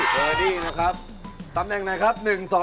เบอร์ดี้นะครับตำแหน่งไหนครับ